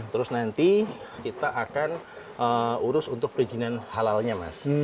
terus nanti kita akan urus untuk perizinan halalnya mas